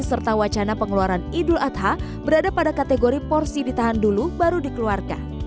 serta wacana pengeluaran idul adha berada pada kategori porsi ditahan dulu baru dikeluarkan